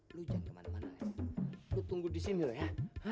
lu jalan ke mana mana ya lu tunggu di sini loh ya